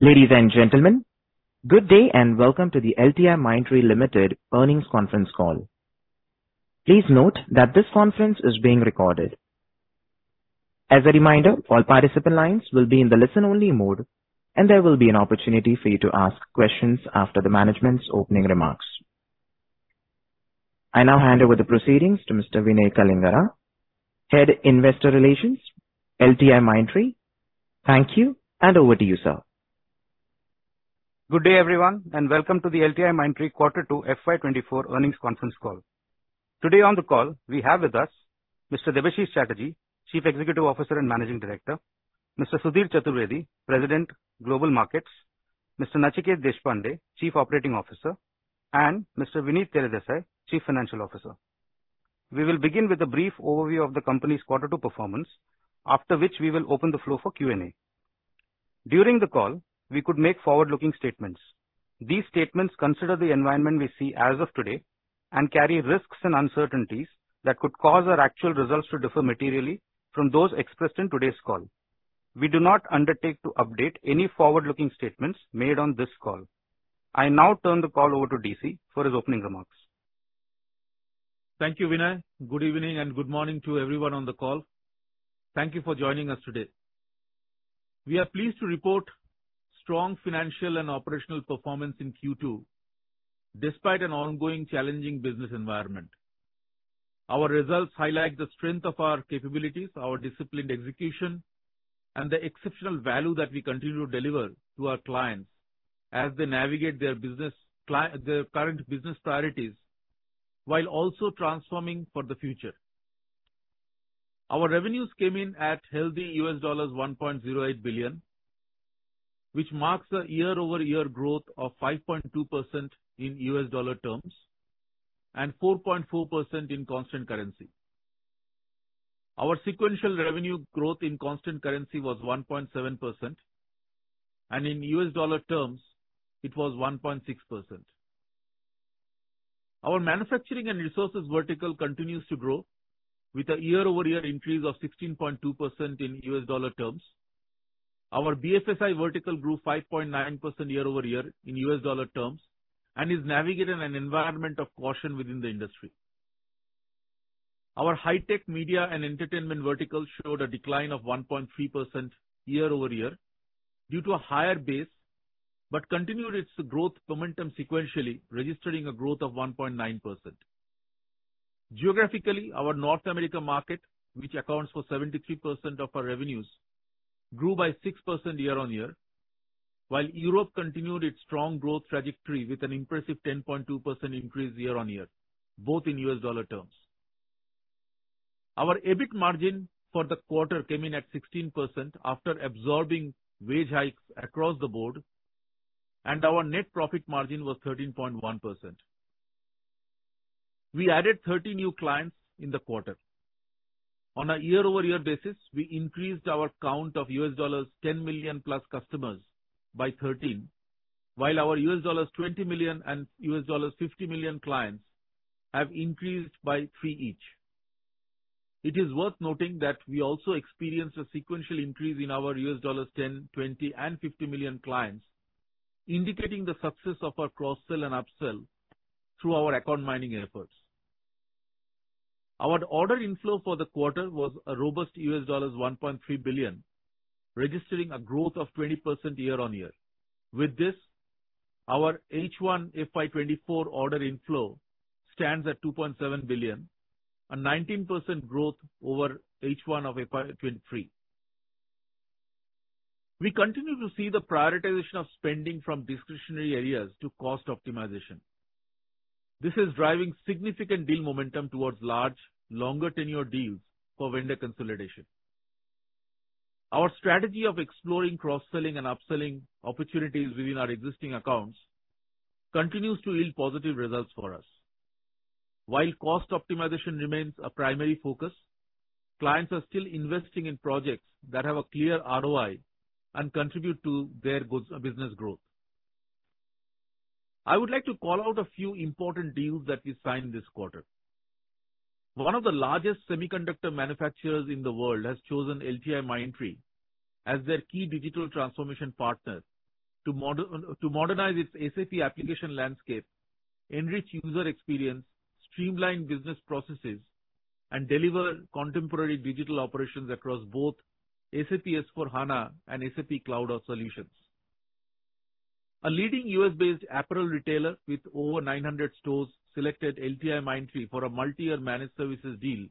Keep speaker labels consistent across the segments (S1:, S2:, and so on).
S1: Ladies and gentlemen, good day, and welcome to the LTIMindtree Limited earnings conference call. Please note that this conference is being recorded. As a reminder, all participant lines will be in the listen-only mode, and there will be an opportunity for you to ask questions after the management's opening remarks. I now hand over the proceedings to Mr. Vinay Kalingara, Head Investor Relations, LTIMindtree. Thank you, and over to you, sir.
S2: Good day, everyone, and welcome to the LTIMindtree Q2 FY 2024 Earnings Conference Call. Today on the call, we have with us Mr. Debashis Chatterjee, Chief Executive Officer and Managing Director, Mr. Sudhir Chaturvedi, President, Global Markets, Mr. Nachiket Deshpande, Chief Operating Officer, and Mr. Vinit Teredesai, Chief Financial Officer. We will begin with a brief overview of the company's Q2 performance, after which we will open the floor for Q&A. During the call, we could make forward-looking statements. These statements consider the environment we see as of today and carry risks and uncertainties that could cause our actual results to differ materially from those expressed in today's call. We do not undertake to update any forward-looking statements made on this call. I now turn the call over to DC for his opening remarks.
S3: Thank you, Vinay. Good evening, and good morning to everyone on the call. Thank you for joining us today. We are pleased to report strong financial and operational performance in Q2, despite an ongoing challenging business environment. Our results highlight the strength of our capabilities, our disciplined execution, and the exceptional value that we continue to deliver to our clients as they navigate their current business priorities, while also transforming for the future. Our revenues came in at healthy $1.08 billion, which marks a year-over-year growth of 5.2% in US dollar terms and 4.4% in constant currency. Our sequential revenue growth in constant currency was 1.7%, and in US dollar terms, it was 1.6%. Our manufacturing and resources vertical continues to grow with a year-over-year increase of 16.2% in US dollar terms. Our BFSI vertical grew 5.9% year-over-year in US dollar terms and is navigating an environment of caution within the industry. Our high-tech media and entertainment vertical showed a decline of 1.3% year-over-year due to a higher base, but continued its growth momentum sequentially, registering a growth of 1.9%. Geographically, our North America market, which accounts for 73% of our revenues, grew by 6% year-over-year, while Europe continued its strong growth trajectory with an impressive 10.2% increase year-over-year, both in US dollar terms. Our EBIT margin for the quarter came in at 16% after absorbing wage hikes across the board, and our net profit margin was 13.1%. We added 30 new clients in the quarter. On a year-over-year basis, we increased our count of $10 million-plus customers by 13, while our $20 million and $50 million clients have increased by three each. It is worth noting that we also experienced a sequential increase in our $10, $20, and $50 million clients, indicating the success of our cross-sell and upsell through our account mining efforts. Our order inflow for the quarter was a robust $1.3 billion, registering a growth of 20% year-on-year. With this, our H1 FY 2024 order inflow stands at $2.7 billion, a 19% growth over H1 of FY 2023. We continue to see the prioritization of spending from discretionary areas to cost optimization. This is driving significant deal momentum towards large, longer-tenure deals for vendor consolidation. Our strategy of exploring cross-selling and upselling opportunities within our existing accounts continues to yield positive results for us. While cost optimization remains a primary focus, clients are still investing in projects that have a clear ROI and contribute to their good business growth. I would like to call out a few important deals that we signed this quarter. One of the largest semiconductor manufacturers in the world has chosen LTIMindtree as their key digital transformation partner to modernize its SAP application landscape, enrich user experience, streamline business processes, and deliver contemporary digital operations across both SAP S/4HANA and SAP Cloud solutions. A leading U.S.-based apparel retailer with over 900 stores selected LTIMindtree for a multi-year managed services deal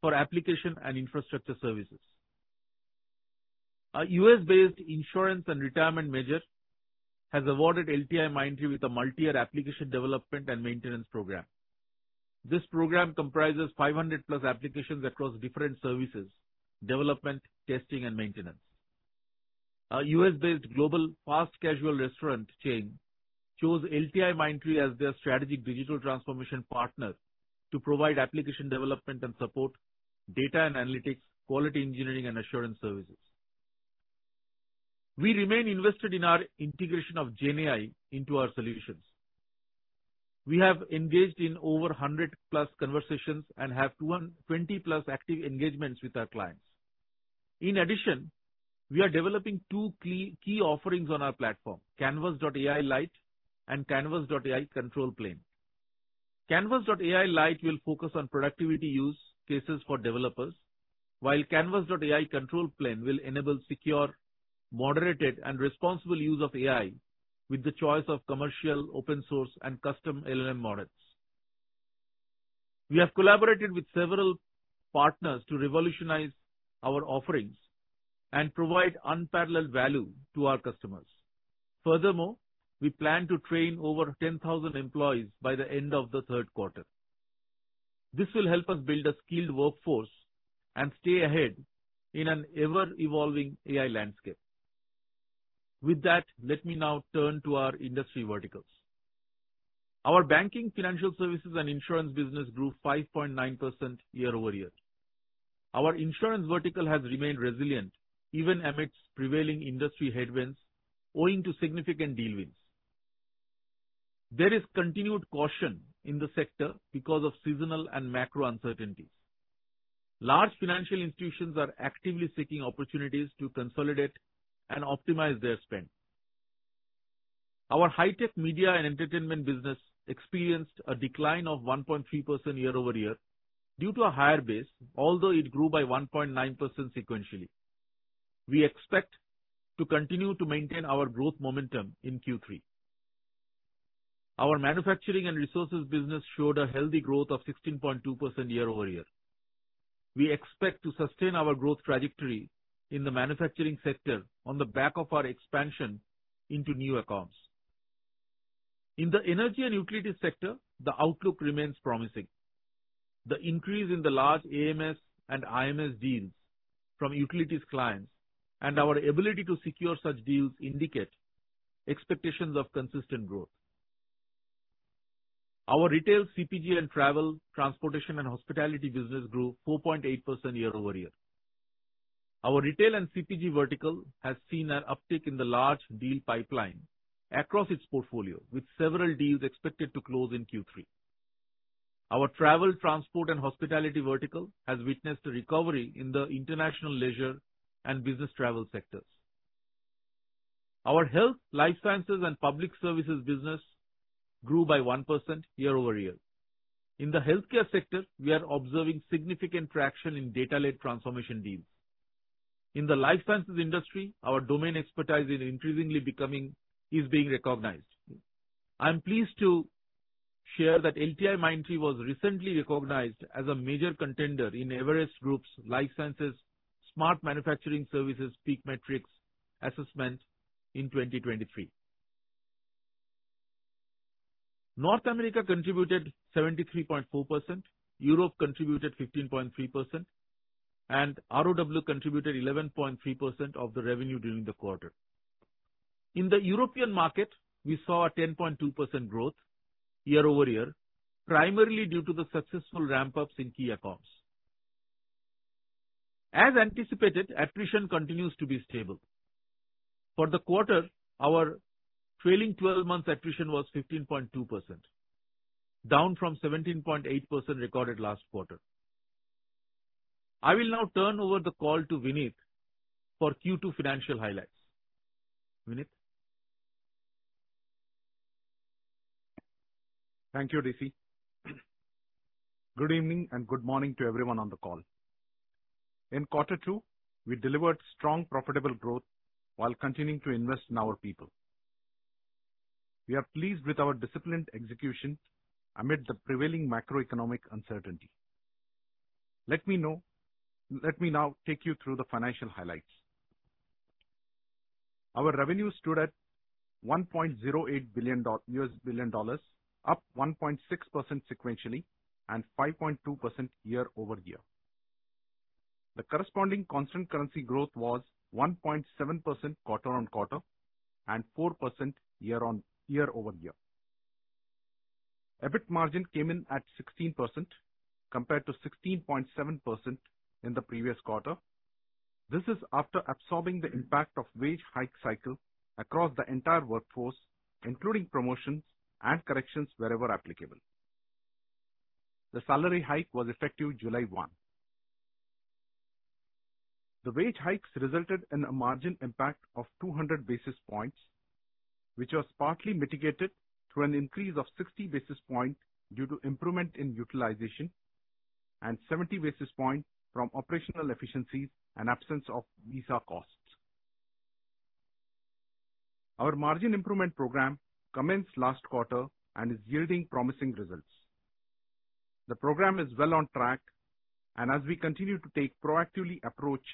S3: for application and infrastructure services. A U.S.-based insurance and retirement major has awarded LTIMindtree with a multi-year application development and maintenance program. This program comprises 500+ applications across different services, development, testing, and maintenance. A U.S.-based global fast-casual restaurant chain chose LTIMindtree as their strategic digital transformation partner to provide application development and support, data and analytics, quality engineering, and assurance services. We remain invested in our integration of GenAI into our solutions. We have engaged in over 100+ conversations and have 220+ active engagements with our clients. In addition, we are developing two key, key offerings on our platform, Canvas.ai Lite and Canvas.ai Control Plane. Canvas.ai Lite will focus on productivity use cases for developers, while Canvas.ai Control Plane will enable secure, moderated, and responsible use of AI with the choice of commercial, open source, and custom LLM models. We have collaborated with several partners to revolutionize our offerings and provide unparalleled value to our customers. Furthermore, we plan to train over 10,000 employees by the end of the Q3. This will help us build a skilled workforce and stay ahead in an ever-evolving AI landscape. With that, let me now turn to our industry verticals. Our banking, financial services, and insurance business grew 5.9% year-over-year. Our insurance vertical has remained resilient, even amidst prevailing industry headwinds, owing to significant deal wins. There is continued caution in the sector because of seasonal and macro uncertainties. Large financial institutions are actively seeking opportunities to consolidate and optimize their spend. Our high-tech media and entertainment business experienced a decline of 1.3% year-over-year due to a higher base, although it grew by 1.9% sequentially. We expect to continue to maintain our growth momentum in Q3. Our manufacturing and resources business showed a healthy growth of 16.2% year-over-year. We expect to sustain our growth trajectory in the manufacturing sector on the back of our expansion into new accounts. In the energy and utilities sector, the outlook remains promising. The increase in the large AMS and IMS deals from utilities clients and our ability to secure such deals indicate expectations of consistent growth. Our retail, CPG, and travel, transportation, and hospitality business grew 4.8% year-over-year. Our retail and CPG vertical has seen an uptick in the large deal pipeline across its portfolio, with several deals expected to close in Q3. Our travel, transport, and hospitality vertical has witnessed a recovery in the international leisure and business travel sectors. Our health, life sciences, and public services business grew by 1% year over year. In the healthcare sector, we are observing significant traction in data-led transformation deals. In the life sciences industry, our domain expertise is increasingly being recognized. I am pleased to share that LTIMindtree was recently recognized as a major contender in Everest Group's Life Sciences Smart Manufacturing Services PEAK Matrix Assessment in 2023. North America contributed 73.4%, Europe contributed 15.3%, and ROW contributed 11.3% of the revenue during the quarter. In the European market, we saw a 10.2% growth year-over-year, primarily due to the successful ramp-ups in key accounts. As anticipated, attrition continues to be stable. For the quarter, our trailing twelve months attrition was 15.2%, down from 17.8% recorded last quarter. I will now turn over the call to Vinit for Q2 financial highlights. Vinit?
S4: Thank you, DC. Good evening, and good morning to everyone on the call. In Q2, we delivered strong, profitable growth while continuing to invest in our people. We are pleased with our disciplined execution amid the prevailing macroeconomic uncertainty. Let me now take you through the financial highlights. Our revenue stood at $1.08 billion, up 1.6% sequentially and 5.2% year-over-year. The corresponding constant currency growth was 1.7% quarter-on-quarter and 4% year-over-year. EBIT margin came in at 16%, compared to 16.7% in the previous quarter. This is after absorbing the impact of wage hike cycle across the entire workforce, including promotions and corrections wherever applicable. The salary hike was effective July 1. The wage hikes resulted in a margin impact of 200 basis points, which was partly mitigated through an increase of 60 basis point due to improvement in utilization and 70 basis point from operational efficiencies and absence of visa costs. Our margin improvement program commenced last quarter and is yielding promising results. The program is well on track, and as we continue to take proactively approach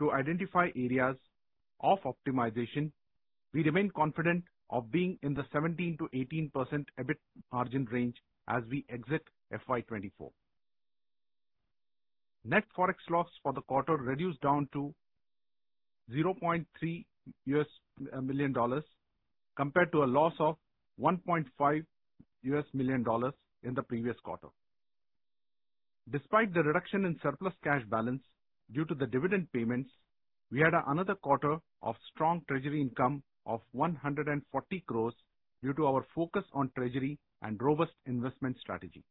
S4: to identify areas of optimization, we remain confident of being in the 17%-18% EBIT margin range as we exit FY 2024. Net forex loss for the quarter reduced down to $0.3 million, compared to a loss of $1.5 million in the previous quarter. Despite the reduction in surplus cash balance due to the dividend payments, we had another quarter of strong treasury income of 140 crore, due to our focus on treasury and robust investment strategy.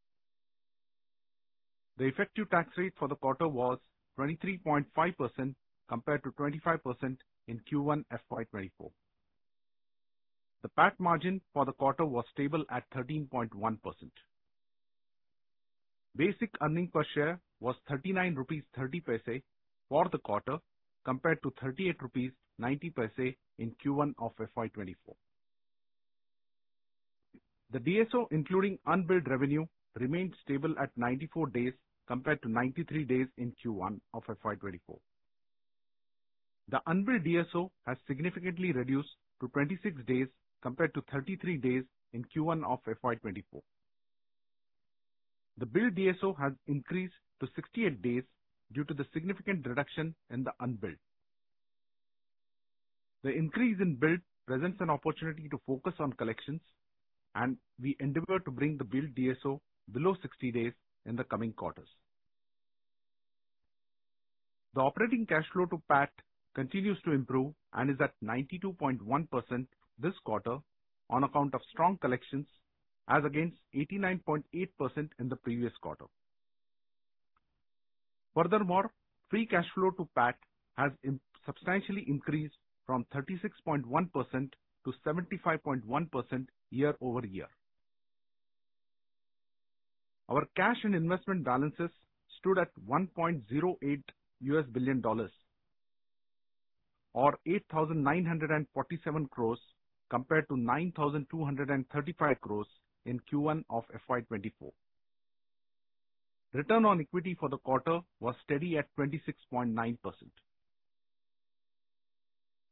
S4: The effective tax rate for the quarter was 23.5%, compared to 25% in Q1 FY 2024. The PAT margin for the quarter was stable at 13.1%. Basic earning per share was 39.30 rupees for the quarter, compared to 38.90 rupees in Q1 of FY 2024. The DSO, including unbilled revenue, remained stable at 94 days compared to 93 days in Q1 of FY 2024. The unbilled DSO has significantly reduced to 26 days compared to 33 days in Q1 of FY 2024. The billed DSO has increased to 68 days due to the significant reduction in the unbilled. The increase in billed presents an opportunity to focus on collections, and we endeavor to bring the billed DSO below 60 days in the coming quarters. The operating cash flow to PAT continues to improve and is at 92.1% this quarter on account of strong collections, as against 89.8% in the previous quarter. Furthermore, free cash flow to PAT has substantially increased from 36.1% to 75.1% year-over-year. Our cash and investment balances stood at $1.08 billion, or 8,947 crore, compared to 9,235 crore in Q1 of FY 2024. Return on equity for the quarter was steady at 26.9%.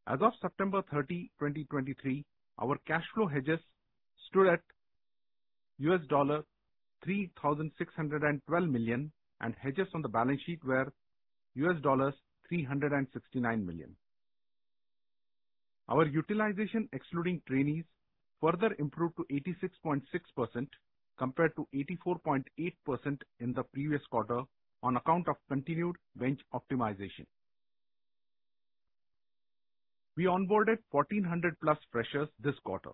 S4: As of September 30, 2023, our cash flow hedges stood at $3,612 million, and hedges on the balance sheet were $369 million. Our utilization, excluding trainees, further improved to 86.6%, compared to 84.8% in the previous quarter on account of continued bench optimization. We onboarded 1,400+ freshers this quarter.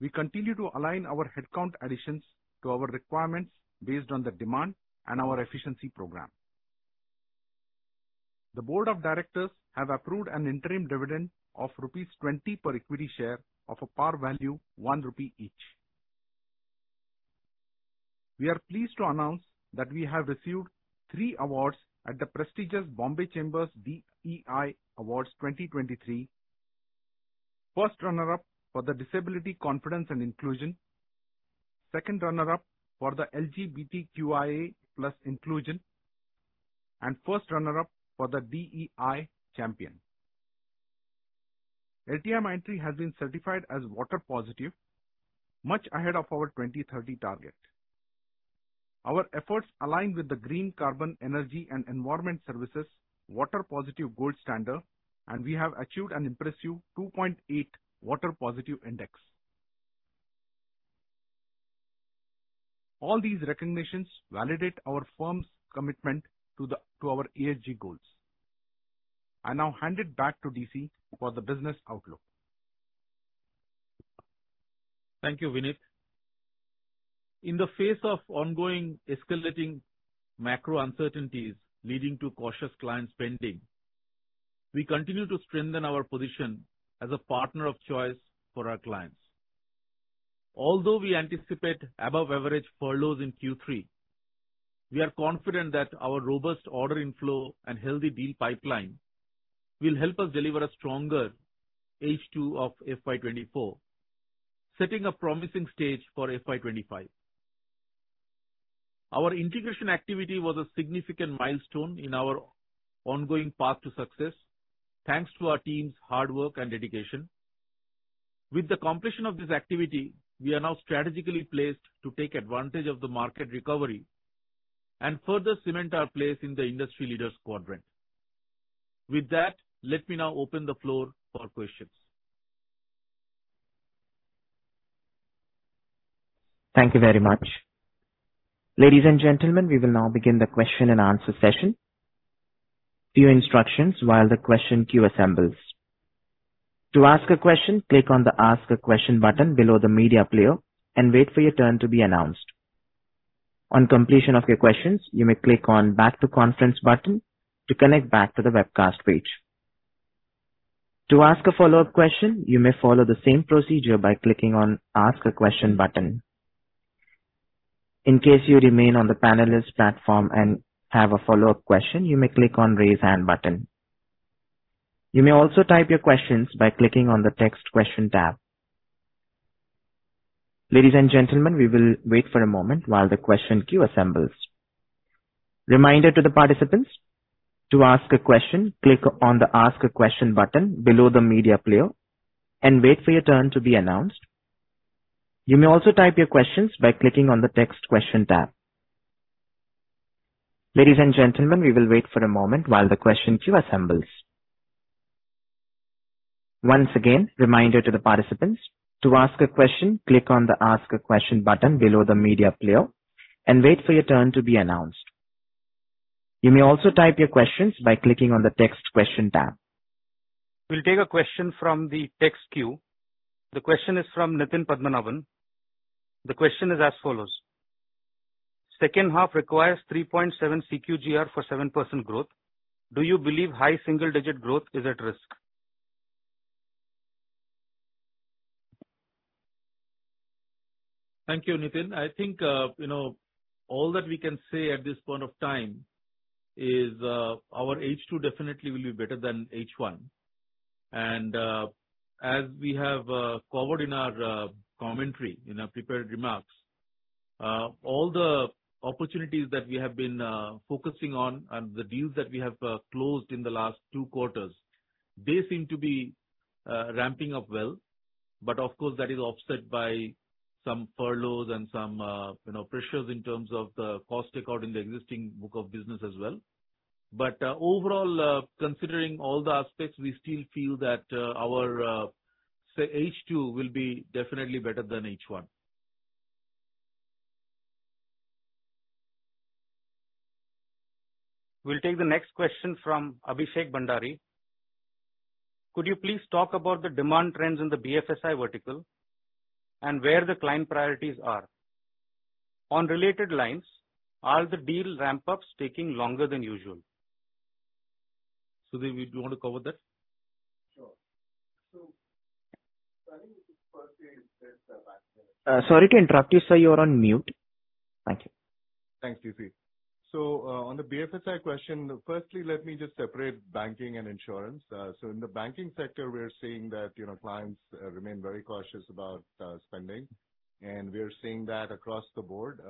S4: We continue to align our headcount additions to our requirements based on the demand and our efficiency program. The board of directors have approved an interim dividend of rupees 20 per equity share of a par value, 1 rupee each. We are pleased to announce that we have received three awards at the prestigious Bombay Chamber DEI Awards 2023. First runner-up for the Disability Confidence and Inclusion, second runner-up for the LGBTQIA+ Inclusion, and first runner-up for the DEI Champion. LTIMindtree has been certified as water positive, much ahead of our 2030 target. Our efforts align with the Green Carbon Energy & Environment Services Water Positive Gold Standard, and we have achieved an impressive 2.8 water positive index. All these recognitions validate our firm's commitment to our ESG goals. I now hand it back to DC for the business outlook.
S3: Thank you, Vinit. In the face of ongoing escalating macro uncertainties leading to cautious client spending, we continue to strengthen our position as a partner of choice for our clients. Although we anticipate above average furloughs in Q3, we are confident that our robust order inflow and healthy deal pipeline will help us deliver a stronger H2 of FY 2024, setting a promising stage for FY 2025. Our integration activity was a significant milestone in our ongoing path to success, thanks to our team's hard work and dedication. With the completion of this activity, we are now strategically placed to take advantage of the market recovery and further cement our place in the industry leaders quadrant. With that, let me now open the floor for questions.
S1: Thank you very much. Ladies and gentlemen, we will now begin the question and answer session. A few instructions while the question queue assembles. To ask a question, click on the Ask a Question button below the media player and wait for your turn to be announced. On completion of your questions, you may click on Back to Conference button to connect back to the webcast page. To ask a follow-up question, you may follow the same procedure by clicking on Ask a Question button. In case you remain on the panelist platform and have a follow-up question, you may click on Raise Hand button. You may also type your questions by clicking on the Text Question tab. Ladies and gentlemen, we will wait for a moment while the question queue assembles. Reminder to the participants, to ask a question, click on the Ask a Question button below the media player and wait for your turn to be announced. You may also type your questions by clicking on the Text Question tab. Ladies and gentlemen, we will wait for a moment while the question queue assembles... Once again, reminder to the participants, to ask a question, click on the Ask a Question button below the media player and wait for your turn to be announced. You may also type your questions by clicking on the Text Question tab.
S2: We'll take a question from the text queue. The question is from Nitin Padmanabhan. The question is as follows: Second half requires 3.7 CQGR for 7% growth. Do you believe high single-digit growth is at risk?
S3: Thank you, Nitin. I think all that we can say at this point of time is, our H2 definitely will be better than H1. And, as we have covered in our commentary, in our prepared remarks, all the opportunities that we have been focusing on and the deals that we have closed in the last two quarters, they seem to be ramping up well, but of course, that is offset by some furloughs and some pressures in terms of the cost takeout in the existing book of business as well. But, overall, considering all the aspects, we still feel that, our, say H2 will be definitely better than H1.
S2: We'll take the next question from Abhishek Bhandari. Could you please talk about the demand trends in the BFSI vertical, and where the client priorities are? On related lines, are the deal ramp-ups taking longer than usual? Sudhir, would you want to cover that?
S1: Sorry to interrupt you, sir. You are on mute. Thank you.
S5: Thanks, DC. So, on the BFSI question, firstly, let me just separate banking and insurance. So in the banking sector, we are seeing that clients remain very cautious about spending, and we are seeing that across the board.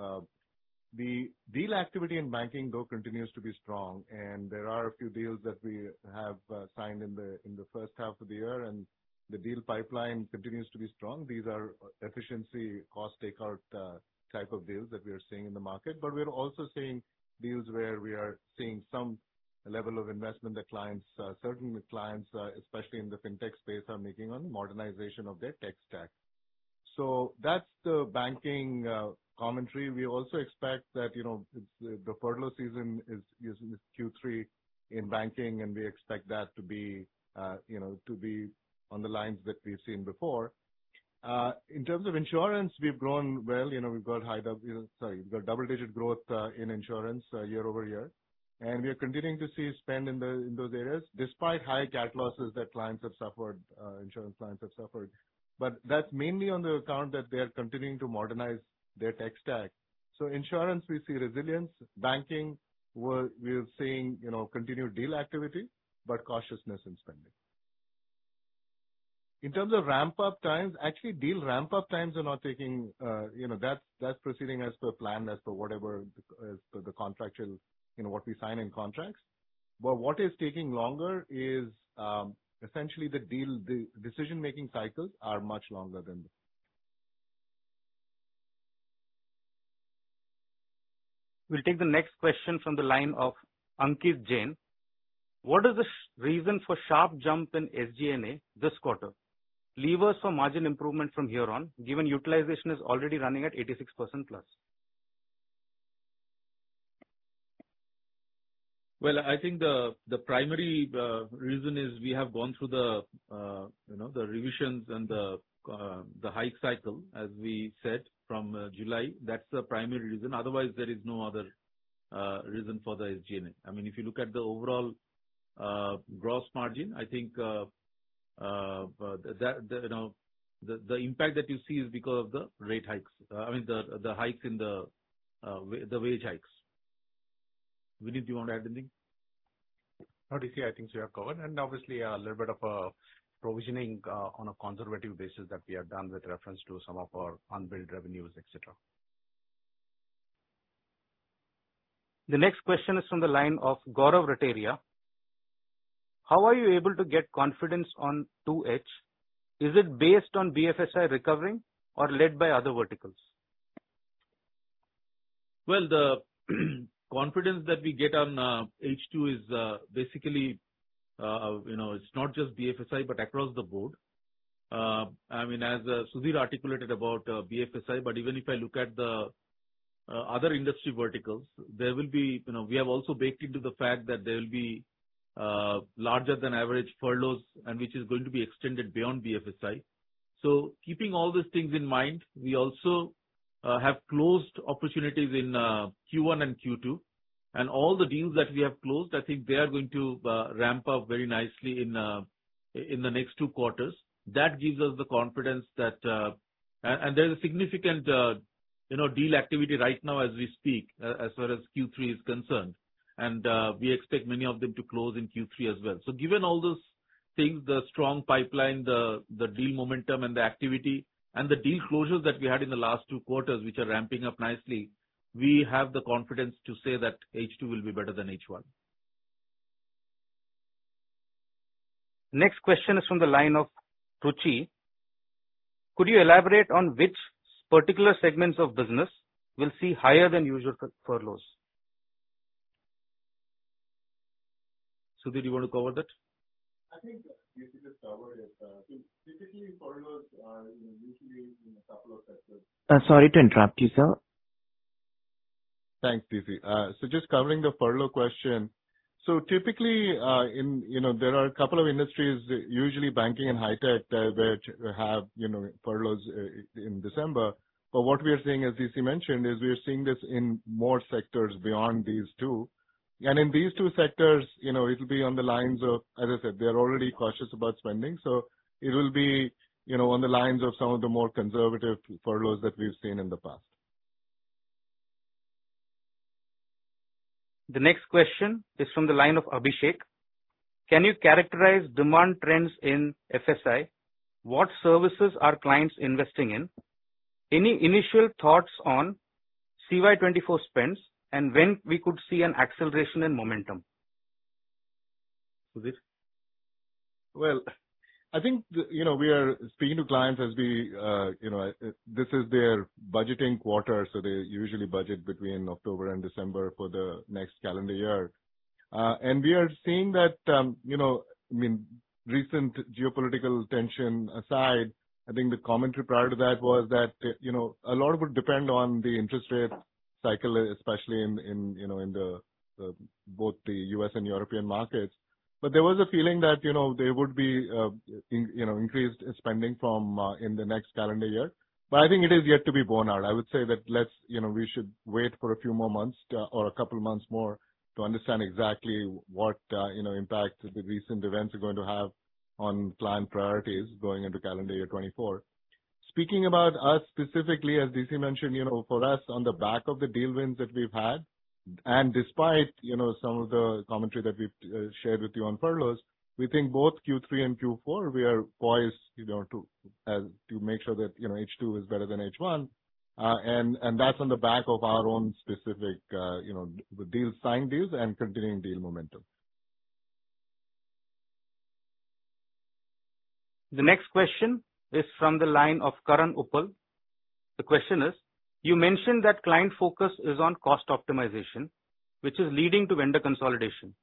S5: The deal activity in banking, though, continues to be strong, and there are a few deals that we have signed in the first half of the year, and the deal pipeline continues to be strong. These are efficiency, cost takeout type of deals that we are seeing in the market. But we are also seeing deals where we are seeing some level of investment that clients, certain clients, especially in the fintech space, are making on modernization of their tech stack. So that's the banking commentary. We also expect that it's the furlough season is in Q3 in banking, and we expect that to be on the lines that we've seen before. In terms of insurance, we've grown well, we've got double-digit growth in insurance year-over-year, and we are continuing to see spend in those areas, despite high cat losses that clients have suffered, insurance clients have suffered. But that's mainly on the account that they are continuing to modernize their tech stack. So insurance, we see resilience. Banking, we're seeing continued deal activity, but cautiousness in spending. In terms of ramp-up times, actually, deal ramp-up times are not taking, that's proceeding as per plan, as per whatever, as per the contractual, what we sign in contracts. But what is taking longer is, essentially the deal, the decision-making cycles are much longer than before.
S2: We'll take the next question from the line of Ankit Jain. What is the reason for sharp jump in SG&A this quarter? Levers for margin improvement from here on, given utilization is already running at 86%+.
S3: Well, I think the primary reason is we have gone through the revisions and the hike cycle, as we said, from July. That's the primary reason. Otherwise, there is no other reason for the SG&A. If you look at the overall gross margin, I think that the impact that you see is because of the rate hikes in the wage hikes. Vinit, do you want to add anything?
S4: No, DC, I think we have covered, and obviously, a little bit of a provisioning on a conservative basis that we have done with reference to some of our unbilled revenues, et cetera.
S2: The next question is from the line of Gaurav Rateria. How are you able to get confidence on 2H? Is it based on BFSI recovering or led by other verticals?
S3: Well, the confidence that we get on H2 is basically, it's not just BFSI, but across the board. As Sudhir articulated about BFSI, but even if I look at the other industry verticals, there will be... we have also baked into the fact that there will be larger than average furloughs, and which is going to be extended beyond BFSI. So keeping all these things in mind, we also have closed opportunities in Q1 and Q2, and all the deals that we have closed, I think they are going to ramp up very nicely in the next two quarters. That gives us the confidence that... And there's a significant deal activity right now as we speak, as far as Q3 is concerned, and we expect many of them to close in Q3 as well. So given all those things, the strong pipeline, the deal momentum and the activity, and the deal closures that we had in the last two quarters, which are ramping up nicely, we have the confidence to say that H2 will be better than H1.
S2: Next question is from the line of Ruchi. Could you elaborate on which particular segments of business will see higher than usual furloughs? ...
S3: Sudhir, you want to cover that?
S5: I think DC just covered it. So typically, furloughs are usually in a couple of sectors.
S2: Sorry to interrupt you, sir.
S5: Thanks, DC. So just covering the furlough question. So typically, there are a couple of industries, usually banking and high tech, which have furloughs, in December. But what we are seeing, as DC mentioned, is we are seeing this in more sectors beyond these two. And in these two sectors it'll be on the lines of, as I said, they're already cautious about spending, so it will be on the lines of some of the more conservative furloughs that we've seen in the past.
S2: The next question is from the line of Abhishek. Can you characterize demand trends in FSI? What services are clients investing in? Any initial thoughts on CY 2024 spends, and when we could see an acceleration in momentum?
S3: Sudhir?
S5: Well, I think we are speaking to clients as we, this is their budgeting quarter, so they usually budget between October and December for the next calendar year. And we are seeing that recent geopolitical tension aside, I think the commentary prior to that was that a lot of it would depend on the interest rate cycle, especially in both the U.S. and European markets. But there was a feeling that there would be increased spending from, in the next calendar year. But I think it is yet to be borne out. I would say that we should wait for a few more months or a couple of months more to understand exactly what impact the recent events are going to have on client priorities going into calendar year 2024. Speaking about us specifically, as DC mentioned, for us, on the back of the deal wins that we've had, and despite some of the commentary that we've shared with you on furloughs, we think both Q3 and Q4, we are poised to make sure that H2 is better than H1. And that's on the back of our own specific signed deals and continuing deal momentum.
S2: The next question is from the line of Karan Uppal. The question is: You mentioned that client focus is on cost optimization, which is leading to vendor consolidation.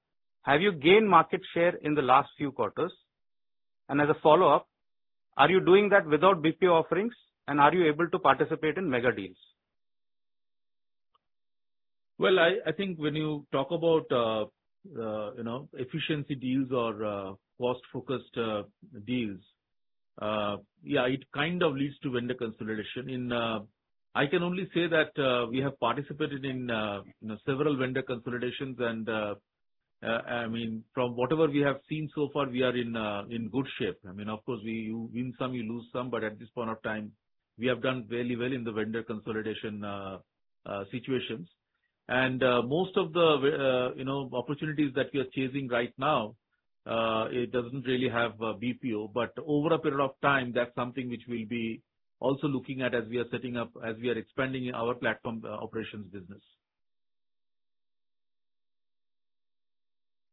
S2: Have you gained market share in the last few quarters? And as a follow-up, are you doing that without BPO offerings, and are you able to participate in mega deals?
S3: Well, I think when you talk about efficiency deals or cost-focused deals, yeah, it kind of leads to vendor consolidation. In, I can only say that, we have participated in several vendor consolidations and from whatever we have seen so far, we are in good shape. Of course, you win some, you lose some, but at this point of time, we have done very well in the vendor consolidation situations. And, most of the opportunities that we are chasing right now, it doesn't really have a BPO. But over a period of time, that's something which we'll be also looking at as we are setting up, as we are expanding our platform operations business.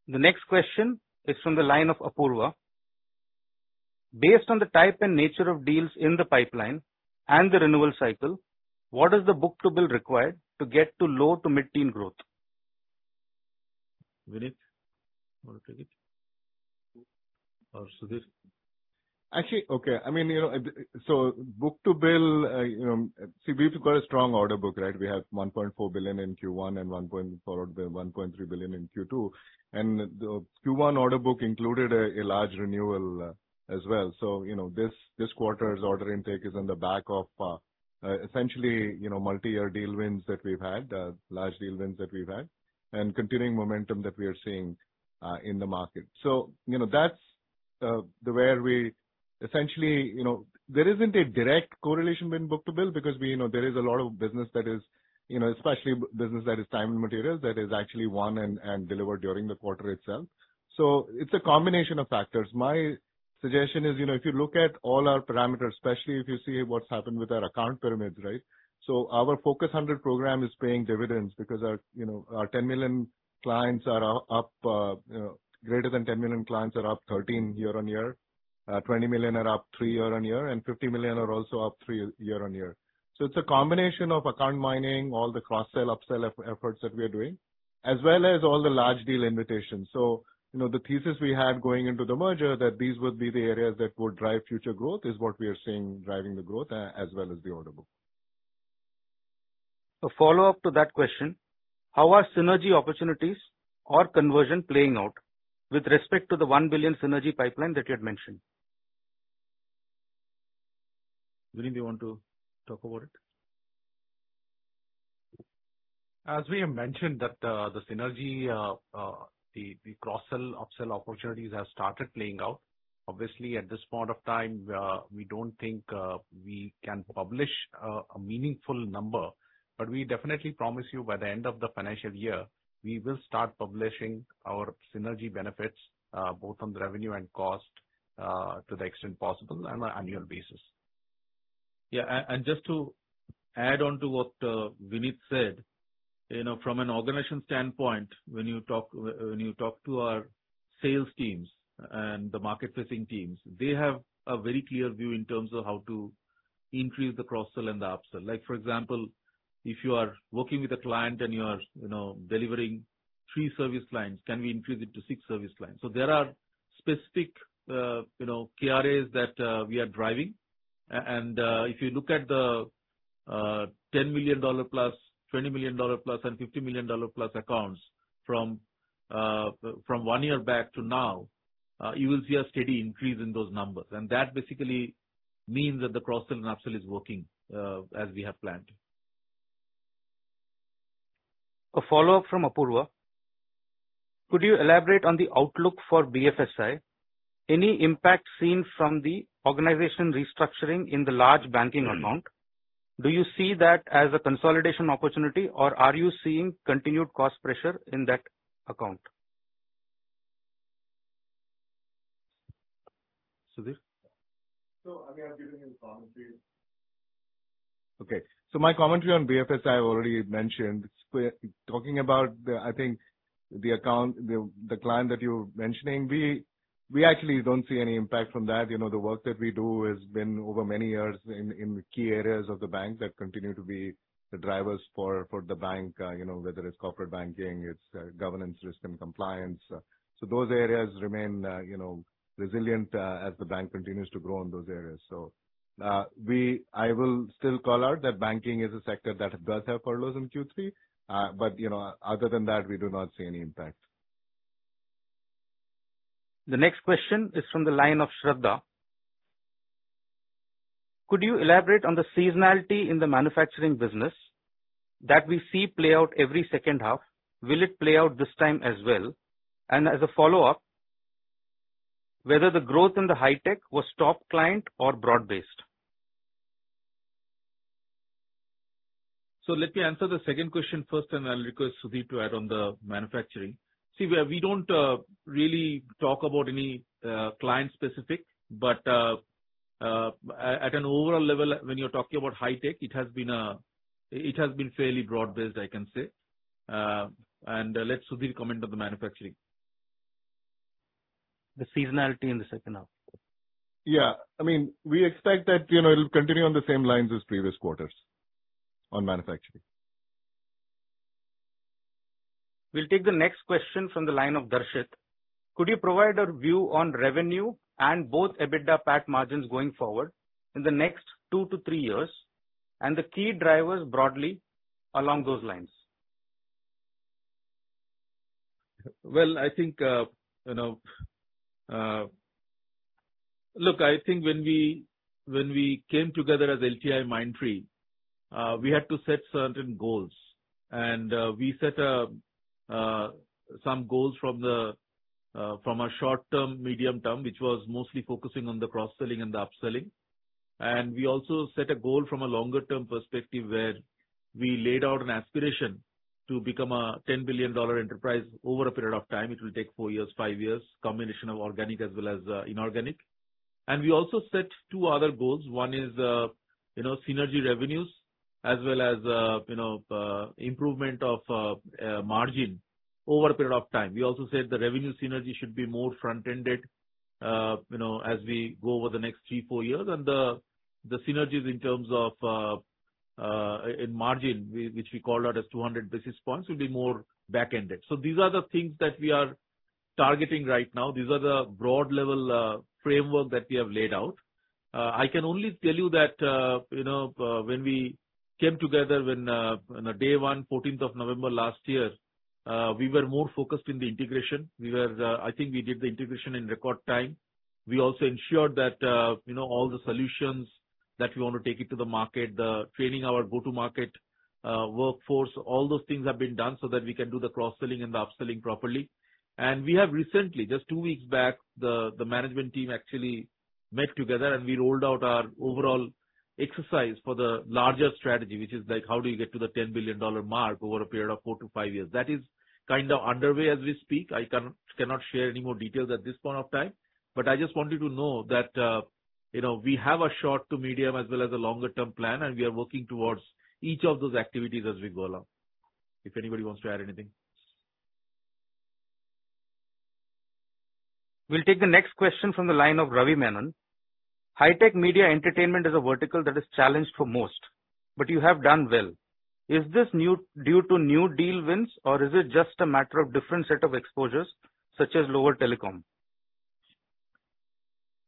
S2: The next question is from the line of Apurva. Based on the type and nature of deals in the pipeline and the renewal cycle, what is the book-to-bill required to get to low to mid-teen growth?
S3: Vinit, you want to take it? Or Sudhir.
S5: Actually, okay. So book-to-bill, see, we've got a strong order book, right? We have $1.4 billion in Q1 and $1.4 billion, the $1.3 billion in Q2. And the Q1 order book included a large renewal as well. This quarter's order intake is on the back of essentially multi-year deal wins that we've had, large deal wins that we've had, and continuing momentum that we are seeing in the market. That's the way we essentially... there isn't a direct correlation between book-to-bill because we know there is a lot of business that is especially business that is time and materials, that is actually won and delivered during the quarter itself. So it's a combination of factors. My suggestion is, if you look at all our parameters, especially if you see what's happened with our account pyramids, right? So our Focus 100 program is paying dividends because our 10 million clients are up, greater than 10 million clients are up 13 year-over-year. Twenty million are up 3 year-over-year, and 50 million are also up 3 year-over-year. So it's a combination of account mining, all the cross-sell, up-sell efforts that we are doing, as well as all the large deal invitations. The thesis we had going into the merger, that these would be the areas that would drive future growth, is what we are seeing driving the growth as well as the order book.
S2: A follow-up to that question: How are synergy opportunities or conversion playing out with respect to the $1 billion synergy pipeline that you had mentioned?
S3: Vinit, you want to talk about it?
S4: As we have mentioned, the synergy, the cross-sell, up-sell opportunities have started playing out. Obviously, at this point of time, we don't think we can publish a meaningful number, but we definitely promise you by the end of the financial year, we will start publishing our synergy benefits, both on the revenue and cost, to the extent possible on an annual basis.
S5: Yeah, and just to add on to what Vinit said, from an organization standpoint, when you talk to our sales teams and the market-facing teams, they have a very clear view in terms of how to increase the cross-sell and the up-sell. Like, for example, if you are working with a client and you are delivering three service lines, can we increase it to six service lines? So there are specific KRAs that we are driving. And, if you look at the $10 million plus, $20 million plus, and $50 million plus accounts from one year back to now, you will see a steady increase in those numbers. And that basically means that the cross-sell and up-sell is working as we have planned.
S2: A follow-up from Apurva: Could you elaborate on the outlook for BFSI? Any impact seen from the organization restructuring in the large banking account? Do you see that as a consolidation opportunity, or are you seeing continued cost pressure in that account?
S3: Sudhir?
S5: I'll give you my commentary.
S3: My commentary on BFSI, I've already mentioned. We're talking about the, I think, the account, the client that you're mentioning. We actually don't see any impact from that. The work that we do has been over many years in key areas of the bank that continue to be the drivers for the bank, whether it's corporate banking, it's governance, risk, and compliance. So those areas remain resilient as the bank continues to grow in those areas. So, we—I will still call out that banking is a sector that does have furloughs in Q3. Other than that, we do not see any impact.
S2: The next question is from the line of Shraddha. Could you elaborate on the seasonality in the manufacturing business that we see play out every second half? Will it play out this time as well? And as a follow-up, whether the growth in the high tech was top client or broad-based?
S3: So let me answer the second question first, and I'll request Sudhir to add on the manufacturing. See, we don't really talk about any client-specific. But at an overall level, when you're talking about high tech, it has been fairly broad-based, I can say. And let Sudhir comment on the manufacturing.
S4: The seasonality in the second half.
S5: We expect that it'll continue on the same lines as previous quarters, on manufacturing.
S2: We'll take the next question from the line of Darshit. Could you provide a view on revenue and both EBITDA PAT margins going forward in the next two to three years, and the key drivers broadly along those lines?
S5: I think when we came together as LTIMindtree, we had to set certain goals. We set some goals from a short-term, medium-term, which was mostly focusing on the cross-selling and the up-selling. We also set a goal from a longer-term perspective, where we laid out an aspiration to become a $10 billion enterprise over a period of time. It will take 4-5 years, combination of organic as well as inorganic. We also set two other goals. One is synergy revenues, as well as improvement of margin over a period of time. We also said the revenue synergy should be more front-ended as we go over the next 3-4 years. The synergies in terms of in margin, which we called out as 200 basis points, will be more back-ended. These are the things that we are targeting right now. These are the broad-level framework that we have laid out. I can only tell you that when we came together, when, on the day one, fourteenth of November last year, we were more focused in the integration. We were, I think we did the integration in record time. We also ensured that all the solutions that we want to take it to the market, training our go-to-market, workforce, all those things have been done so that we can do the cross-selling and the up-selling properly. And we have recently, just two weeks back, the management team actually met together, and we rolled out our overall exercise for the larger strategy, which is like, how do you get to the $10 billion mark over a period of 4-5 years? That is kind of underway as we speak. I cannot share any more details at this point of time. But I just want you to know that we have a short to medium, as well as a longer-term plan, and we are working towards each of those activities as we go along. If anybody wants to add anything.
S2: We'll take the next question from the line of Ravi Menon. High tech, media, entertainment is a vertical that is challenged for most, but you have done well. Is this due to new deal wins, or is it just a matter of different set of exposures, such as lower telecom?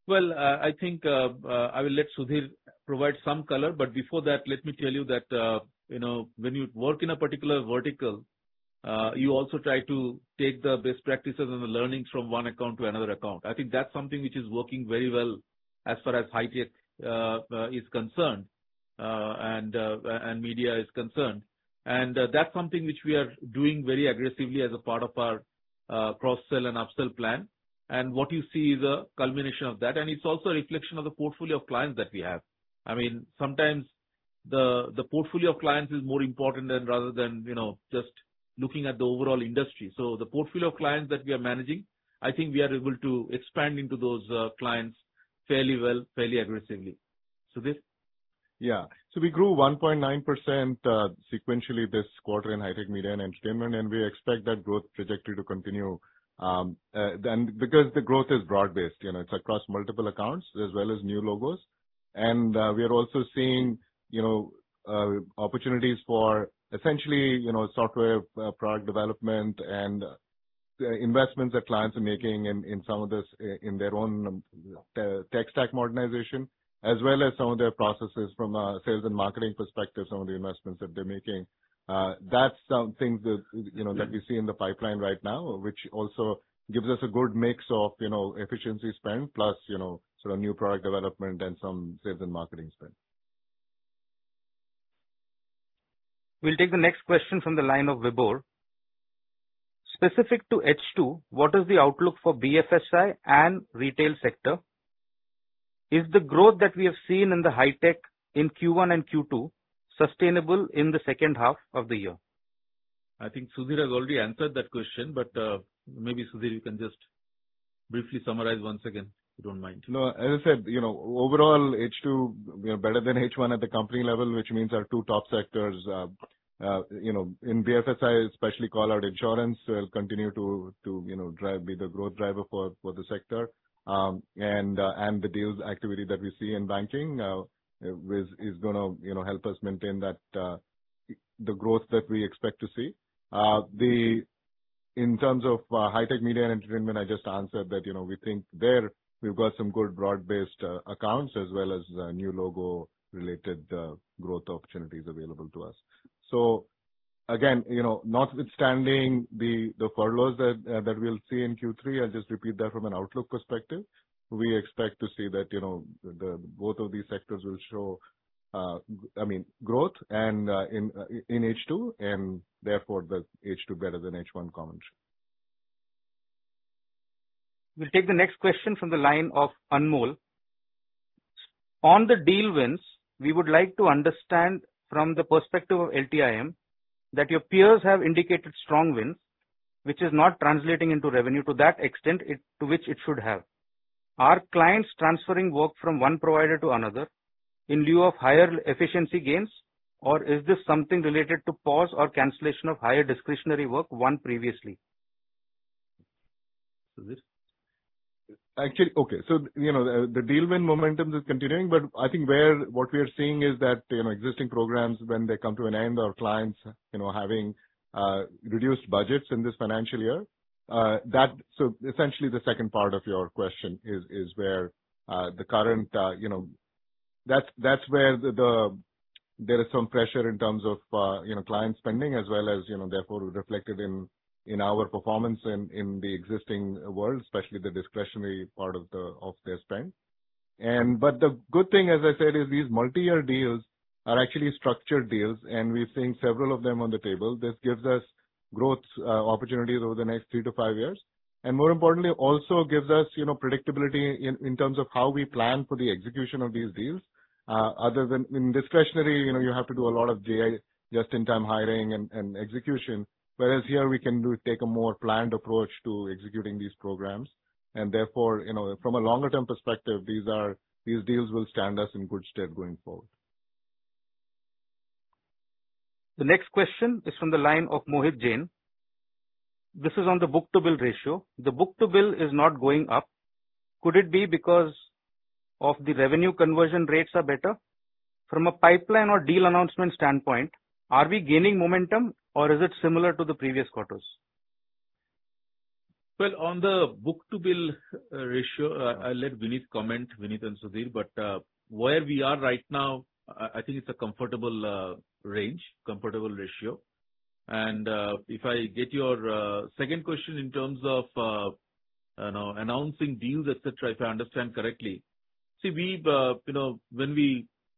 S3: Well, I think, I will let Sudhir provide some color. But before that, let me tell you that when you work in a particular vertical, you also try to take the best practices and the learnings from one account to another account. I think that's something which is working very well as far as high tech, is concerned, and, and media is concerned. And, that's something which we are doing very aggressively as a part of our, cross-sell and up-sell plan. And what you see is a culmination of that, and it's also a reflection of the portfolio of clients that we have. Sometimes, the portfolio of clients is more important than rather than just looking at the overall industry. So the portfolio of clients that we are managing, I think we are able to expand into those clients fairly well, fairly aggressively. Sudhir?
S5: We grew 1.9%, sequentially this quarter in high tech media and entertainment, and we expect that growth trajectory to continue. And because the growth is broad-based, it's across multiple accounts as well as new logos. And we are also seeing opportunities for essentially software product development and investments that clients are making in some of this, in their own tech stack modernization, as well as some of their processes from a sales and marketing perspective, some of the investments that they're making. That's something that we see in the pipeline right now, which also gives us a good mix of efficiency spend, plus sort of new product development and some sales and marketing spend.
S2: We'll take the next question from the line of Vibhor. Specific to H2, what is the outlook for BFSI and retail sector? Is the growth that we have seen in the high tech in Q1 and Q2 sustainable in the second half of the year?
S3: I think Sudhir has already answered that question, but maybe, Sudhir, you can just briefly summarize once again, if you don't mind. No, as I said, overall, H2, we are better than H1 at the company level, which means our two top sectors in BFSI, especially call out insurance, will continue to drive, be the growth driver for the sector. And the deals activity that we see in banking is gonna help us maintain that the growth that we expect to see. In terms of high tech media and entertainment, I just answered that we think there we've got some good broad-based accounts as well as new logo-related growth opportunities available to us. Notwithstanding the furloughs that we'll see in Q3, I'll just repeat that from an outlook perspective. We expect to see that both of these sectors will show growth and in H2, and therefore, the H2 better than H1 combination.
S2: We'll take the next question from the line of Anmol. On the deal wins, we would like to understand from the perspective of LTIM, that your peers have indicated strong wins, which is not translating into revenue to that extent to which it should have. Are clients transferring work from one provider to another in lieu of higher efficiency gains, or is this something related to pause or cancellation of higher discretionary work won previously?
S3: Sudhir?
S5: Actually, okay. The deal win momentum is continuing, but I think where what we are seeing is that existing programs, when they come to an end, our clients having reduced budgets in this financial year, that... So essentially, the second part of your question is where the current, that's where there is some pressure in terms of client spending as well as, therefore reflected in our performance in the existing world, especially the discretionary part of their spend. And but the good thing, as I said, is these multi-year deals are actually structured deals, and we're seeing several of them on the table. This gives us growth opportunities over the next three to five years, and more importantly, also gives us predictability in terms of how we plan for the execution of these deals. Other than in discretionary you have to do a lot of JIT, just-in-time hiring and execution, whereas here we can take a more planned approach to executing these programs. Therefore, from a longer term perspective, these deals will stand us in good stead going forward.
S2: The next question is from the line of Mohit Jain. This is on the book-to-bill ratio. The book-to-bill is not going up. Could it be because of the revenue conversion rates are better? From a pipeline or deal announcement standpoint, are we gaining momentum or is it similar to the previous quarters?
S3: Well, on the book-to-bill ratio, I'll let Vinit comment, Vinit and Sudhir. But where we are right now, I think it's a comfortable range, comfortable ratio. And if I get your second question in terms of announcing deals, et cetera, if I understand correctly.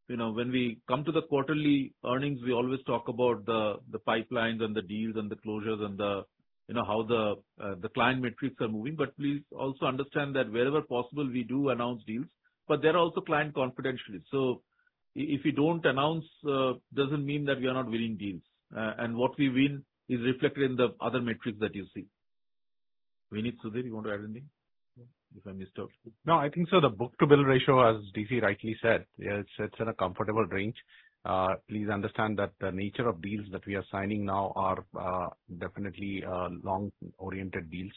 S3: When we come to the quarterly earnings, we always talk about the pipelines and the deals and the closures and how the client metrics are moving. But please also understand that wherever possible, we do announce deals, but there are also client confidentiality. So if we don't announce, doesn't mean that we are not winning deals. And what we win is reflected in the other metrics that you see. Vinit, Sudhir, you want to add anything, if I missed out?
S4: No, I think, so the book-to-bill ratio, as DC rightly said, it's in a comfortable range. Please understand that the nature of deals that we are signing now are definitely long-oriented deals.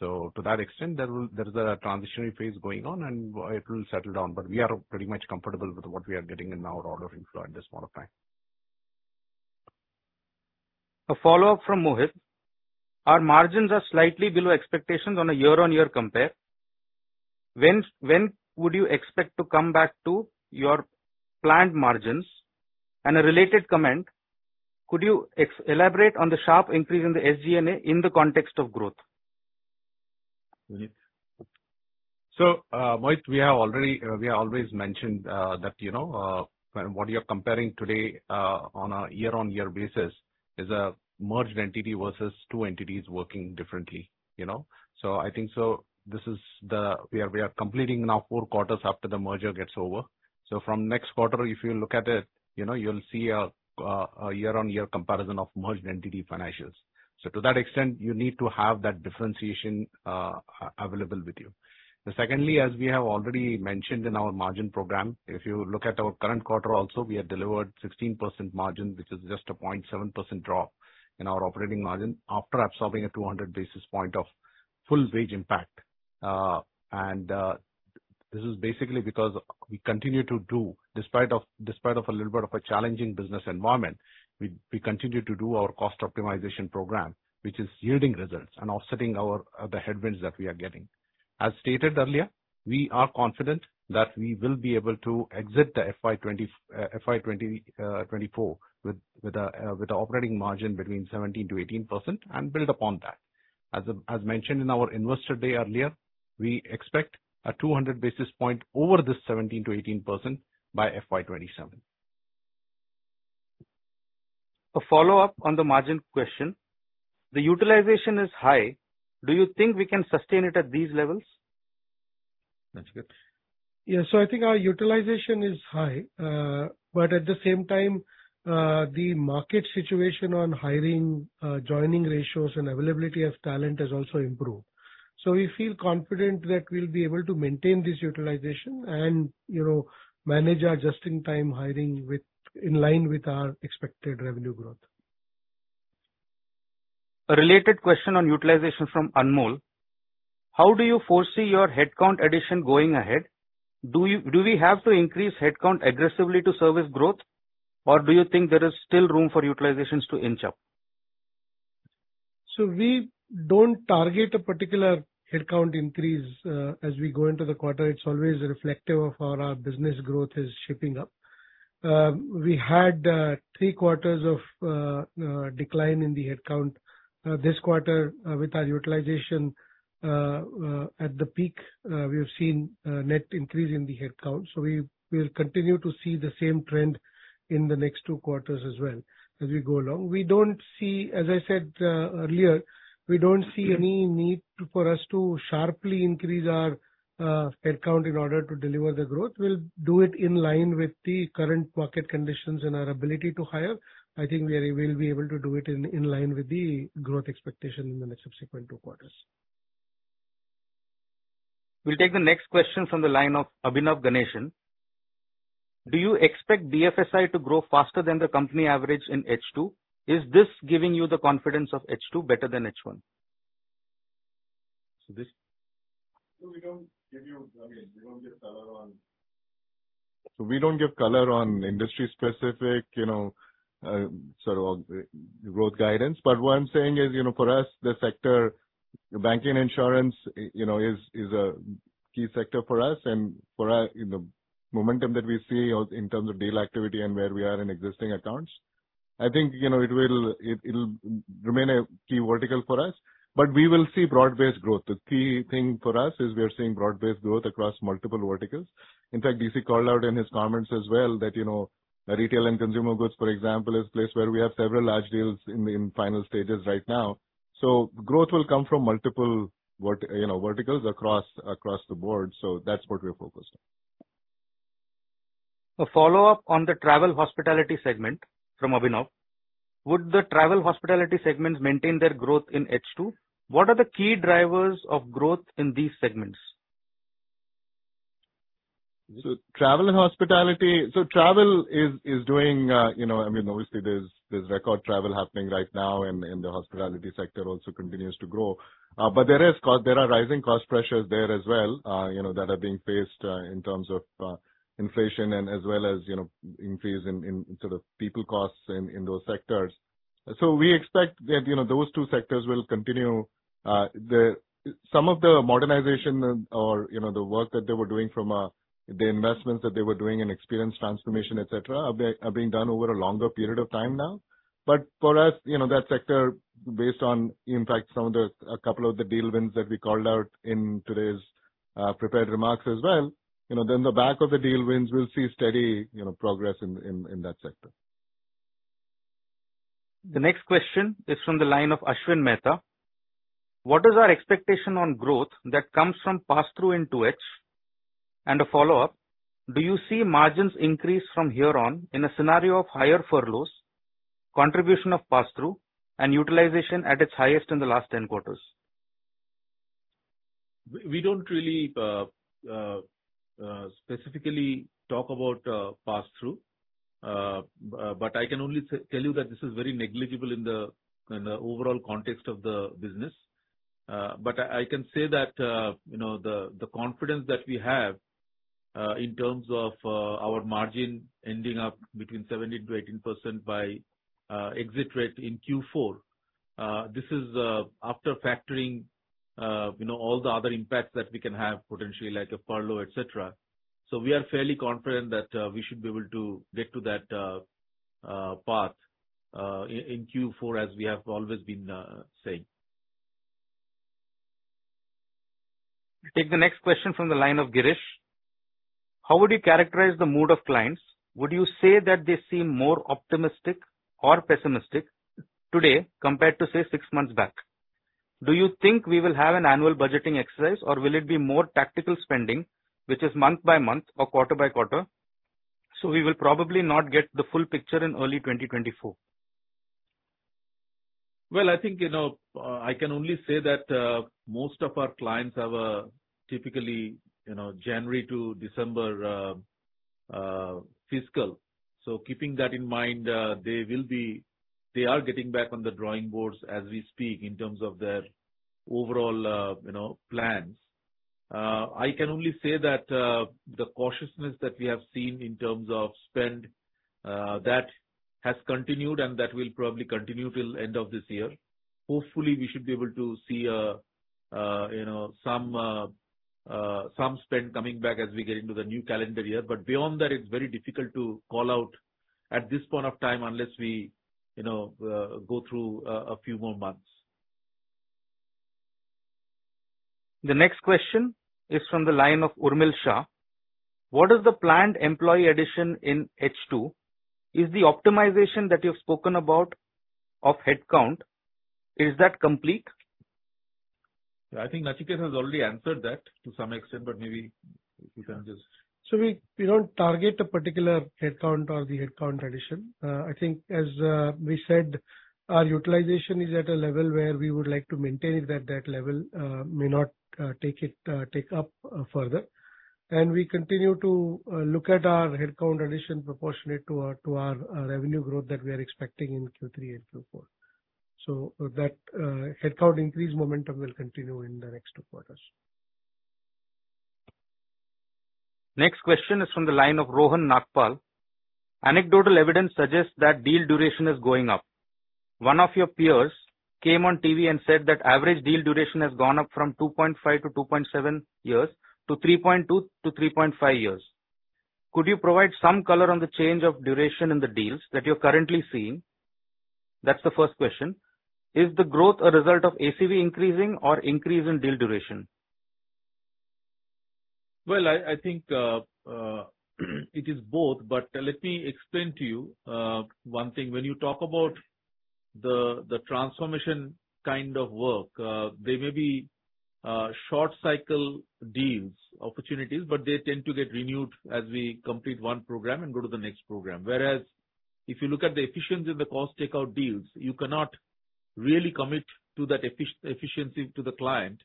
S4: So to that extent, there is a transitionary phase going on, and it will settle down. But we are pretty much comfortable with what we are getting in our order inflow at this point of time.
S2: A follow-up from Mohit. Our margins are slightly below expectations on a year-on-year compare. When would you expect to come back to your planned margins? A related comment, could you elaborate on the sharp increase in the SG&A in the context of growth?
S3: Mohit, we have already, we have always mentioned, that what you are comparing today, on a year-on-year basis is a merged entity versus two entities working differently, you know? So I think this is the… We are completing now four quarters after the merger gets over… So from next quarter, if you look at it, you'll see a year-on-year comparison of merged entity financials. So to that extent, you need to have that differentiation, available with you. Secondly, as we have already mentioned in our margin program, if you look at our current quarter also, we have delivered 16% margin, which is just a 0.7% drop in our operating margin after absorbing a 200 basis point of full wage impact. This is basically because we continue to do, despite of a little bit of a challenging business environment, we continue to do our cost optimization program, which is yielding results and offsetting our headwinds that we are getting. As stated earlier, we are confident that we will be able to exit the FY 2024 with the operating margin between 17%-18% and build upon that. As mentioned in our investor day earlier, we expect a 200 basis point over this 17%-18% by FY 2027.
S2: A follow-up on the margin question. The utilization is high. Do you think we can sustain it at these levels?
S3: That's good.
S6: Yeah. I think our utilization is high. But at the same time, the market situation on hiring, joining ratios and availability of talent has also improved. We feel confident that we'll be able to maintain this utilization and manage our just-in-time hiring in line with our expected revenue growth.
S2: A related question on utilization from Anmol: How do you foresee your headcount addition going ahead? Do we have to increase headcount aggressively to service growth, or do you think there is still room for utilizations to inch up?
S6: So we don't target a particular headcount increase as we go into the quarter. We had three quarters of decline in the headcount. This quarter, with our utilization at the peak, we have seen a net increase in the headcount, so we'll continue to see the same trend in the next two quarters as well as we go along. We don't see... As I said earlier, we don't see any need for us to sharply increase our headcount in order to deliver the growth. We'll do it in line with the current market conditions and our ability to hire. I think we'll be able to do it in line with the growth expectation in the next subsequent two quarters.
S2: We'll take the next question from the line of Abhishek Ganesan. Do you expect BFSI to grow faster than the company average in H2? Is this giving you the confidence of H2 better than H1?
S5: We don't give color on industry-specific sort of growth guidance. But what I'm saying is, for us, the sector, banking, insurance, is a key sector for us and for us, momentum that we see or in terms of deal activity and where we are in existing accounts. I think, it will remain a key vertical for us, but we will see broad-based growth. The key thing for us is we are seeing broad-based growth across multiple verticals. In fact, DC called out in his comments as well, that, retail and consumer goods, for example, is place where we have several large deals in the final stages right now. So growth will come from multiple verticals across the board. So that's what we're focused on.
S2: A follow-up on the travel hospitality segment from Abhinav. Would the travel hospitality segments maintain their growth in H2? What are the key drivers of growth in these segments?
S5: So travel and hospitality. So travel is doing, obviously, there's record travel happening right now, and, and the hospitality sector also continues to grow. But there are rising cost pressures there as well that are being faced, in terms of, inflation and as well as increase in sort of people costs in, in those sectors. So we expect that those two sectors will continue. Some of the modernization or the work that they were doing from, the investments that they were doing in experience transformation, et cetera, are being, are being done over a longer period of time now. For us, that sector, based on, in fact, some of the, a couple of the deal wins that we called out in today's prepared remarks as well, then the back of the deal wins, we'll see steady progress in that sector.
S2: The next question is from the line of Ashwin Mehta: What is our expectation on growth that comes from passthrough in 2H? And a follow-up: Do you see margins increase from here on in a scenario of higher furloughs, contribution of passthrough, and utilization at its highest in the last 10 quarters?
S5: We don't really specifically talk about passthrough. But I can only tell you that this is very negligible in the overall context of the business. But I can say that, the confidence that we have in terms of our margin ending up between 17%-18% by exit rate in Q4, this is after factoring all the other impacts that we can have potentially, like a furlough, et cetera. So we are fairly confident that we should be able to get to that path in Q4, as we have always been saying.
S2: Take the next question from the line of Girish. How would you characterize the mood of clients? Would you say that they seem more optimistic or pessimistic today compared to, say, six months back? Do you think we will have an annual budgeting exercise, or will it be more tactical spending, which is month by month or quarter-by-quarter? So we will probably not get the full picture in early 2024.
S3: I think I can only say that most of our clients have a typically, January to December, fiscal. So keeping that in mind, they will be-- they are getting back on the drawing boards as we speak, in terms of their overall plans. I can only say that, the cautiousness that we have seen in terms of spend, that has continued, and that will probably continue till end of this year. Hopefully, we should be able to see some spend coming back as we get into the new calendar year. But beyond that, it's very difficult to call out at this point of time, unless we go through, a few more months.
S2: The next question is from the line of Urmil Shah. What is the planned employee addition in H2? Is the optimization that you've spoken about of headcount, is that complete?
S3: I think Nachiket has already answered that to some extent, but maybe you can just-
S6: We don't target a particular headcount or the headcount addition. I think, as we said, our utilization is at a level where we would like to maintain it at that level, may not take it up further. And we continue to look at our headcount addition proportionate to our revenue growth that we are expecting in Q3 and Q4. So that headcount increase momentum will continue in the next two quarters.
S2: Next question is from the line of Rohan Nagpal. Anecdotal evidence suggests that deal duration is going up. One of your peers came on TV and said that average deal duration has gone up from 2.5-2.7 years to 3.2-3.5 years. Could you provide some color on the change of duration in the deals that you're currently seeing? That's the first question. Is the growth a result of ACV increasing or increase in deal duration?
S3: Well, I think it is both, but let me explain to you one thing. When you talk about the transformation kind of work, they may be short cycle deals, opportunities, but they tend to get renewed as we complete one program and go to the next program. Whereas if you look at the efficiency in the cost takeout deals, you cannot really commit to that efficiency to the client,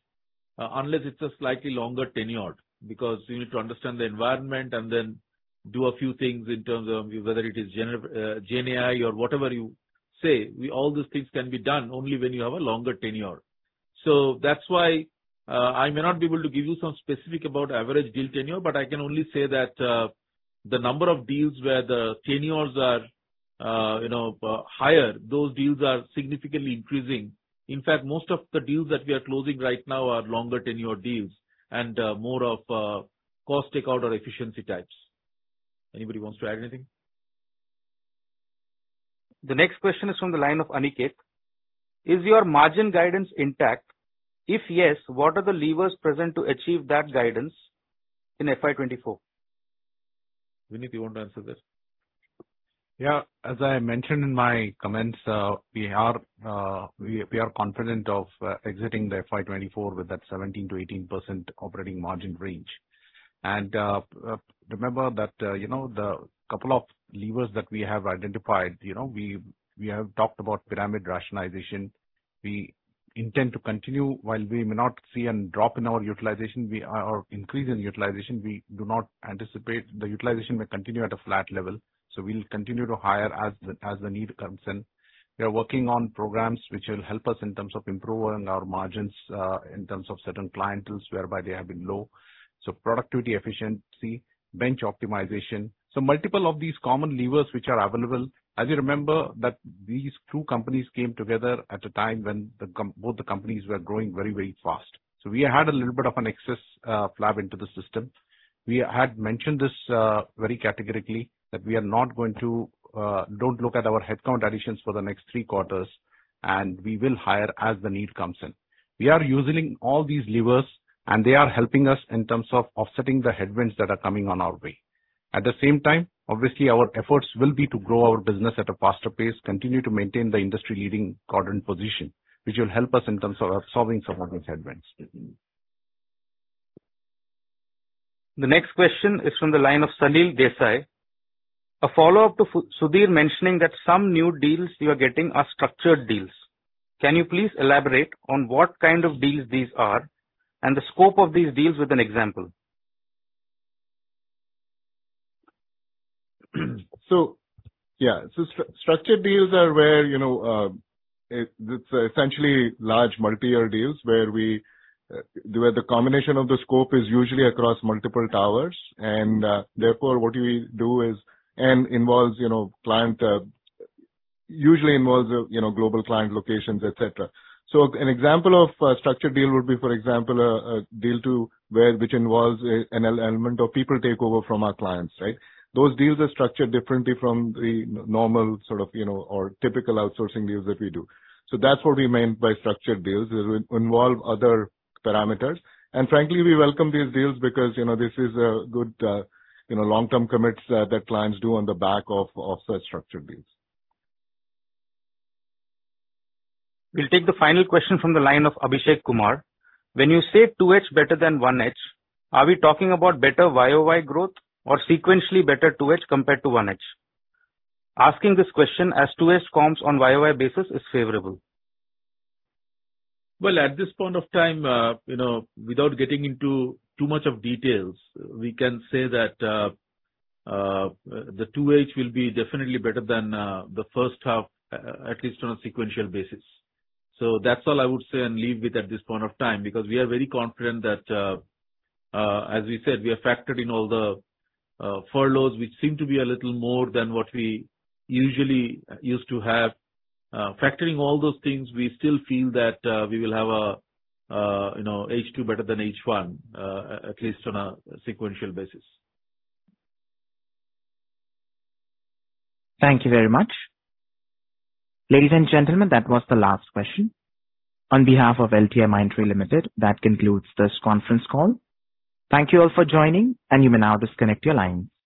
S3: unless it's a slightly longer tenure, because you need to understand the environment and then do a few things in terms of whether it is GenAI or whatever you say. All those things can be done only when you have a longer tenure. So that's why, I may not be able to give you some specific about average deal tenure, but I can only say that, the number of deals where the tenures are higher, those deals are significantly increasing. In fact, most of the deals that we are closing right now are longer tenure deals and, more of, cost takeout or efficiency types. Anybody wants to add anything?
S2: The next question is from the line of Aniket. Is your margin guidance intact? If yes, what are the levers present to achieve that guidance in FY 2024?
S3: Vinit, you want to answer this?
S4: Yeah. As I mentioned in my comments, we are confident of exiting the FY 2024 with that 17%-18% operating margin range. Remember that the couple of levers that we have identified, we have talked about pyramid rationalization. We intend to continue. While we may not see a drop in our utilization or increase in utilization, we do not anticipate the utilization will continue at a flat level, so we'll continue to hire as the need comes in. We are working on programs which will help us in terms of improving our margins, in terms of certain clienteles, whereby they have been low. So productivity, efficiency, bench optimization. So multiple of these common levers, which are available. As you remember, that these two companies came together at a time when both the companies were growing very, very fast. So we had a little bit of an excess, flab into the system. We had mentioned this, very categorically, that we are not going to, don't look at our headcount additions for the next three quarters, and we will hire as the need comes in. We are using all these levers, and they are helping us in terms of offsetting the headwinds that are coming on our way. At the same time, obviously, our efforts will be to grow our business at a faster pace, continue to maintain the industry-leading quadrant position, which will help us in terms of absorbing some of those headwinds.
S2: The next question is from the line of Salil Desai. A follow-up to Sudhir mentioning that some new deals you are getting are structured deals. Can you please elaborate on what kind of deals these are, and the scope of these deals with an example?
S3: So, yeah. So structured deals are where it's essentially large multi-year deals, where we, where the combination of the scope is usually across multiple towers, and, therefore, what we do is... And involves client, usually involves global client locations, et cetera. So an example of a structured deal would be, for example, a deal to, where, which involves a, an element of people takeover from our clients, right? Those deals are structured differently from the normal sort of, or typical outsourcing deals that we do. So that's what we mean by structured deals. It involve other parameters, and frankly, we welcome these deals because this is a good long-term commits, that clients do on the back of, of such structured deals.
S2: We'll take the final question from the line of Abhishek Kumar. When you say 2H better than 1H, are we talking about better YoY growth or sequentially better 2H compared to 1H? Asking this question as 2H comps on YoY basis is favorable.
S3: Well, at this point of time, without getting into too much of details, we can say that H2 will be definitely better than the first half, at least on a sequential basis. So that's all I would say and leave with at this point of time, because we are very confident that, as we said, we have factored in all the furloughs, which seem to be a little more than what we usually used to have. Factoring all those things, we still feel that we will have H2 better than H1, at least on a sequential basis.
S1: Thank you very much. Ladies and gentlemen, that was the last question. On behalf of LTIMindtree Limited, that concludes this conference call. Thank you all for joining, and you may now disconnect your line.